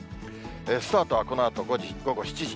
スタートはこのあと午後７時。